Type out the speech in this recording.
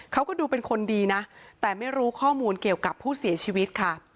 เขาก็ดูเป็นคนดีนะแต่ไม่รู้ข้อมูลเกี่ยวกับผู้เสียชีวิตค่ะ